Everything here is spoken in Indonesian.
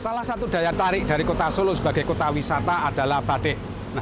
salah satu daya tarik dari kota solo sebagai kota wisata adalah batik